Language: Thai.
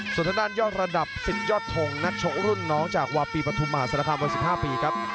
สุดท้ายด้านยอดระดับ๑๐ยอดทงนัชโฉรุ่นน้องจากวาปีปฐุมหาศาลการณ์ม๑๕ปีครับ